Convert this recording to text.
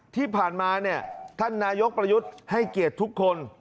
ที่ผ่านมาเนี่ยท่านนายกประยุทธ์ให้เกียรติทุกคน